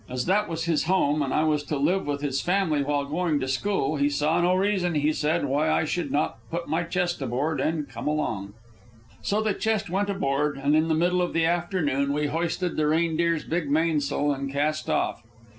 As that was his home and as I was to live with his family while going to school, he saw no reason, he said, why I should not put my chest aboard and come along. So the chest went aboard, and in the middle of the afternoon we hoisted the Reindeer's big mainsail and cast off.